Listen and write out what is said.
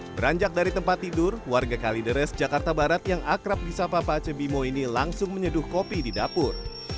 beranjak dari tempat tidur warga kalideres jakarta barat yang akrab di sapa pak aceh bimo ini langsung menyeduh kopi di dapur